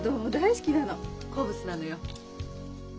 好物なのよ。